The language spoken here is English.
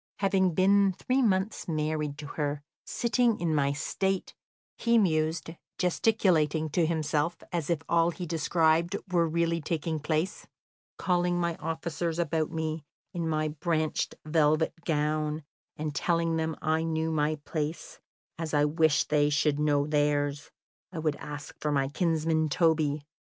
"Having been three months married to her, sitting in my state," he mused, gesticulating to himself as if all he described were really taking place, "calling my officers about me, in my branched velvet gown, and telling them I knew my place, as I wished they should know theirs, I would ask for my kinsman Toby.